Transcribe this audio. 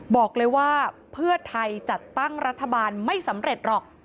บอกเลยว่าเพื่อไทยจัดตั้งรัฐบาลไม่สำเร็จหรอก